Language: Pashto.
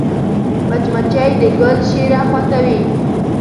مچمچۍ د ګل شیره خوښوي